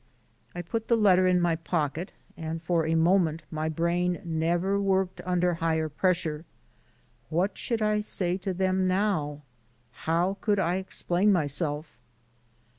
I put the letter in my pocket, and for a moment my brain never worked under higher pressure. What should I say to them now? How could I explain myself?